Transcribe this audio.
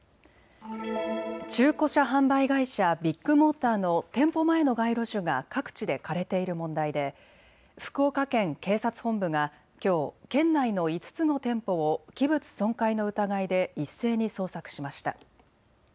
中古車販売会社、ビッグモーターの店舗前の街路樹が各地で枯れている問題で福岡県警察本部がきょう県内の５つの店舗を器物損壊の疑いで一斉に捜索しました。